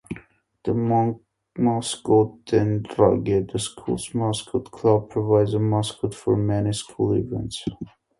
The Masconterage, the school's mascot club, provides a mascot for many school events.